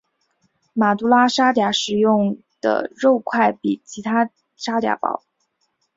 马都拉沙嗲使用的肉块比其他沙嗲薄。